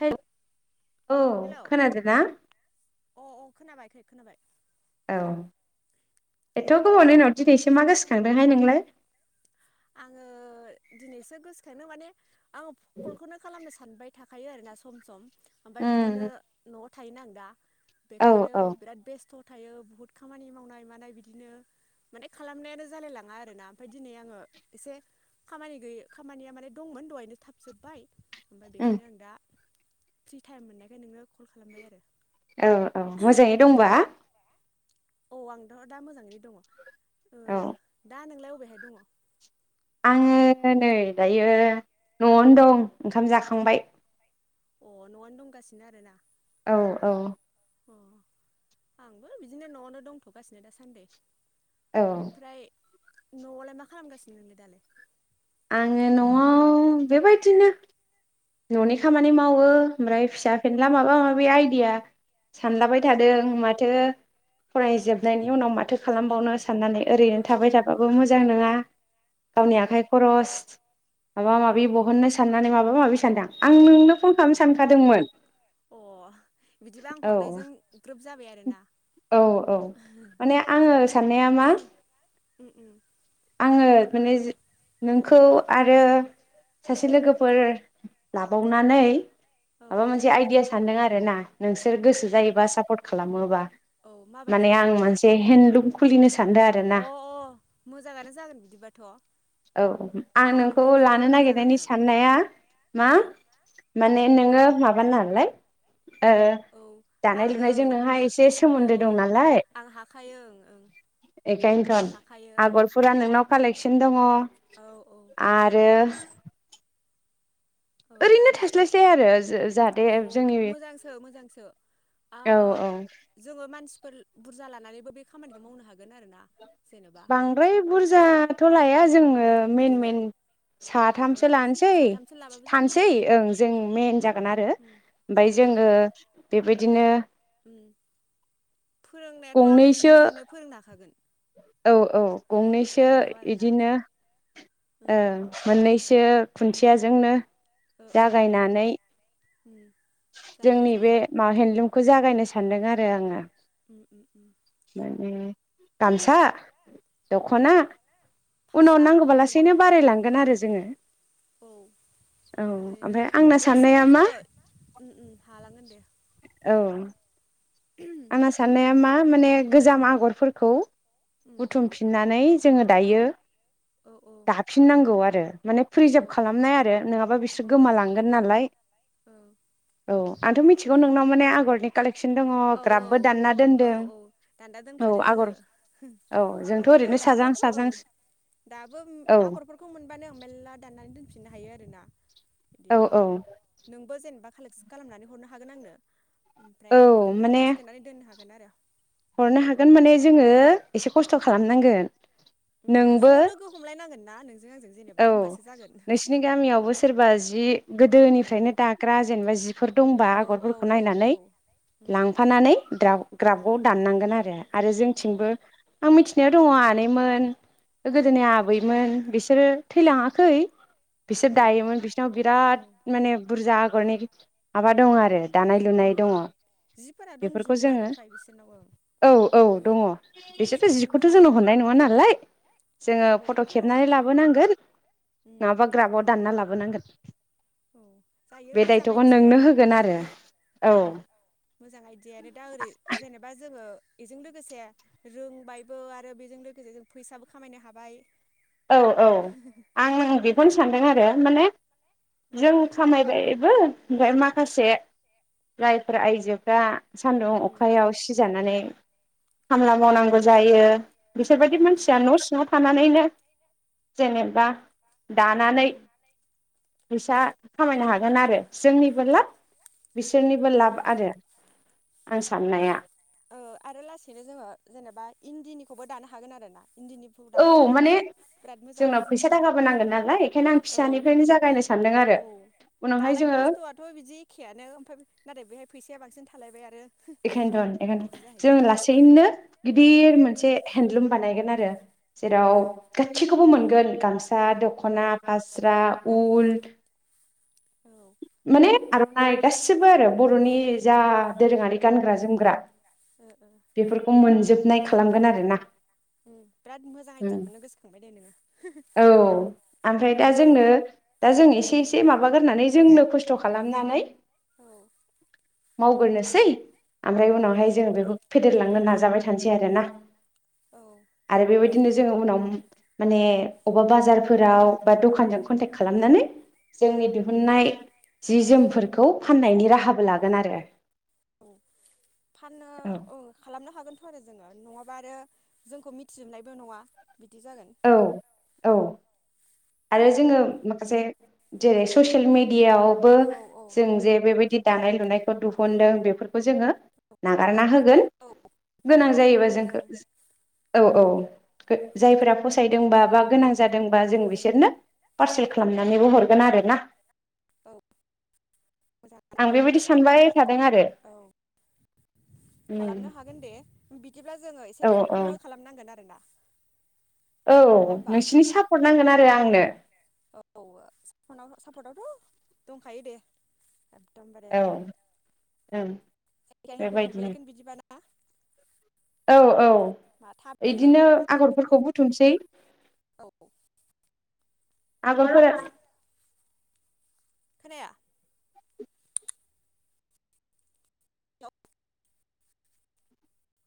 हे औ हेलौ खोनादोना अ औ खोनाबाय खै खोनाबाय औ एथ' गोबावनि उनाव दिनैसो मा गोसो खांदोंहाय नोंलाय आङो दिनैसो गोसोखांदो माने आङो कलखौनो खालामनो सानबाय था खायो आरोना सम सम ओमफाय बिदिनो उम न थायोना आं दा औ बेखायनो औ बिराद बेस्थ' थायो बुहुद खामानि मावनाय मानाय बिदिनो माने खालामनायानो जालाय लाङा आरोना ओमफ्राय दिनै आङो एसे खामानि गैयै खामानिया माने दंमोन दहायनो थाबजोबबाय ओमफाय उम बेखायनो आं दा फ्रि टाइम मोननायखाय नोंनो कल खालामबाय आरो औ औ मोजाङै दंबा दा औ आंथ' दा मोजाङै दङ ओ औ दा नोंलाय अबेहाय दङ आंङो नै दायो न'आवनो दं ओंखाम जाखांबाय अ न'आवनो दंगासिनो आरोना औ औ अ आंबो बिदिनो न'आवनो दंथ'गासिनो दासान्दै औ ओमफ्राय न'आवलाय मा खालामगासिनो नोंलाय दालाय आङो न'आव बेबायदिनो न'नि खामानि मावो ओमफ्राय फिसा फेनला माबा माबि आइडिया सानलाबाय उम थादों उम उम माथो ओ फरायजोबनायनि उनाव माथो खालामबावनो साननानै ओरैनो थाबाय औ औ थाबाबो मोजां नङा औ गावनि आखाइ खरस माबा उम माबि उम बहननो साननानै मा बा माबि सानदां आं नोंनो फन खालामनो सानखादोंमोन ओ अ बिदिबा आं औ हरनायजों ग्रोब जाबाय आरोना औ औ माने आङो साननाया मा उम उम आङो माने जि नोंखौ आरो सासे ओ लोगोफोर लाबावनानै औ माबा औ मोनसे आइदिया सानदों आ रो ना नोंसोर औ गोसो जायोबा सापर्ट खालामोबा औ माबायदि माने आं आइदिया बेलाय मोनसे हेन्दलुम खुलिनो सानदों आरोना अ अ मोजाङानो जागोन बिदिबाथ' औ आं हेन्दलुम नोंखौ खुलिबाथ' लानो मोजाङानो नागिरनायनि साननाया मा ओ माने नोङो माबा। नालाय ओ ओ औ दानाय आङो लुनायजों नोंहा एसे औ सोमोन्दो औ दं नालाय आं हाखायो ओं ओं बेखायनोथ' हाखायो आगरफोरा नोंनाव कालेकसन दङ। ओं औ आरो। ओ औ ओरैनो थास्लायस साय आरो जोज औ औ मोजांसो मोजांसो आ औ औ जोङो मानसिफोर बुरजा लानानैबो बे खामानिखौ मावनो हागोन आरो ना। बांद्राय बुरजाथ' लाया जों मेन ओरैनो मेन ओ ओ साथामसो लानोसै साथामसो लाबाबो जागोन थानोसै ओं जों मइेन जागोन आरो ओं उम औ ओमफ्राय औ जोङो बेबायदिनो उम फोरोंनायाथ' आं गंनैसो निजेनो फोरोंनो हाखागोन औ औ गंनैसो फोरोंनायाव आरोना बिदिनो ओ मोननैसो खुन्थियाजोंनो ओ ओ ओ जागायनानै उम जायो जोंनि बे जायो मा हेन्दन्दलुमखौ जागायनोसै। सान्दों आरो आङो उम उम उम माने गामसा औ दख'ना उनाव फास्रा नांगौबा बेफोरबो लासेनो उम बारायलांगोन आरो जोङो औ औ ओरैनो ओमफ्राय आंना लासैनो साननाया मा? जोङो उम उम हालांगोन दे। औ आंना साननाया ओमफ्राय मा माने गोजाम आगरफोरखौ उम बुथुमफिननानै जोङो दायो। औ औ दाफिननांगौ आरो। माने प्रिजार्भ औ खालामनाय आरो नङाबा बिसोर औ औ गोमालांगोन नालाय औ आथ' मिथिगौ ओं नोंनाव आगरनि कालेक्ट औ औ औ औ दानदा औ दोनखादों आङो आगर औ जोंथ' हायो ओरैनो साजां दाबोथ' साजां ओं दाबो औ आगरफोरखौ मोनबानो मेलला दाननानै दोनफिन नो हायो आरो ना। औ बिदिनो औ नोंबो जेनेबा खालेक्ट स खालामनानै हरनो हागोन आंनो। ओमफ्राय औ आं बेख नो माने थिखोनानै दोन हागोन आरो। हरनो हागोन माने जोङो एसे खस्थ' खालामनांगोन। उम नोंबो ज' लोगो हमलायनांगोन ना नोंजो औ नोंसिनि गामियावबो सोरबा जि औ गोदोनिफ्रायनो दाग्रा जेनेबा जिफोर दंबा औ औ आगरफोरखौ औ नायनानै औ उम लांफानानै द्राफ औ ग्राफआव दाननांगोन आरो आरो औ जोंथिंबो आं मिथिनायाव दङ आनैमोन उम गोदोनि आबैमोन बेस सोरो थैलाङाखै। बिसोर औ दायोमोन बिसोरनाव औ बिराद माने बुरजा आग [unintelligible] माबा दं आरो दानाय उम लुनाय दङ उम जिफोरा बेफोरखौ दंजोबोआनो जोङो फ्राय बिसोरनाव ओं औ औ दङ जों बिसोरथ' थिखोफिननो जिखौथ' जोंनो हागोन हरनाय आरो नङा नालाय औ जोङो फट' हरनायथ' नङा खेबनानै ओं लाबोनांगोन। उम नङाबा ग्राफआव दानना लाबोनांगोन। औ जायो बे मोजां दायथ'खौ नोंनो आइदियायानो होगोन आरो औ मोजां आइदियायानो दा ओरै जेनेबा जोङो एजों लोगोसे रोंबायबो आरो बेजों लोगोसे जों फैसाबो खामायनो हाबाय औ औ आं बेखौनो सान दों आरो माने जों उम खामायबायबो ओमफ्राय माखासे जायफ्रा आइजोफ्रा सान्दुं उम अखायाव सिजानानै खामला उम मावनांगौ जायो बिसोरबायदि औ मानसिया न' सिङाव थानानैनो जेनेबा दानानै उम फैसा खामायनो हागोन आरो जोंनिबो लाब बिसोरनिबो औ लाब आरो आं साननाया ओ आरो लासैनो जोङो जेनेबा इन्दिनिखौबो दानो हागोन आरो ना इन्दिनिफ्राय औ दानो हाबाथ' माने बिराद मोजां जोंनाव फैसा थाखाबो नांगोन नालाय बेखायनो आं औ फिसानिफ्रायनो जागायनो सानदों आरो औ उनावहाय दानाय जोङो खस्थ'आथ' बिदि एखेयानो ओमफ्राय नाथाय बेहाय फैसाया बांसिन थां खालायबाय आरो एखायनोथन बिदि जों जाहैगोन लासैनो गिदिर उम मोनसे हेन्दलुम बानायगोन आरो जेराव औ गासैखौबो मोनगोन गामसा औ औ दख'ना फास्रा उल्ट ओ आर'नाइ गासिबो आरो बर'नि जा दोरोङारि गानग्रा जोमग्रा ओ बेफोरखौ मोनजोबनाय खालामगोन आरोना उम बिराद मोजां आइदियाखौनो गोसखांबाय दे ङो औ आनफ्राय दा जोंनो दा जों एसे एसे माबागोरनानै जोंनो खस्थ' खालामनानै औ मावगोर नोसै ओनफ्राय औ उनावहाय औ जों बेखौ फेदेरलांनो नाज जाबाय थानसै आरोना औ आरो बेबायदिनो जोङो उनाव माने अबबा बाजारफोराव बा दखानजों कनटेक्ट खालामनानै ओ जोंनि दोहुननाय जि जोमफोरखौ फान्नायनि राहाबो लागोन आरो औ फाननो औ खालामनो हागोनथ' आरो जोङो नङाब बा आरो जोंखौ मिथिजोबनायबो नङा बिदि जागोन औ औ आरो जोङो से जेरै ससियेल मिड डियावबो औ औ जों जे बेबायदि दानाय लुनायखौ दिहुनदों बेफोरखौ जोङो नागारना हो गोन औ बेफ्रावबो गोनां नागारनो जायोबा हागोन ओं जोंखो औ औ [unintelligible] जायफ्रा फसायदोंबा बा गोनां जादोंबा जों उम बिसोरनो पार्सेल खालाम नानैबो हरगोन आरोना औ मोजां आं बेबायदि सानबाय थादों आरो औ उम खालामनो हागोन दे बिदिब्ला जोङो औ एसे औ थाबखौनो खालामनांगोन आरोना औ नङा होमबा नोंसिनि सापर्ट नांगोन आरो आंनो औ ओ [unintelligible] सापर्टआवथ' दंखायो दे एकदमबारे औ ओं जायखाया लोगो बेबायदिनो हमलायगोन बिदिबा ना आ औ औ इदिनो लोगो आगरफोरखौ बुथुमसै औ आगरफोरा खोनाया द